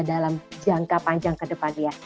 dalam jangka panjang ke depannya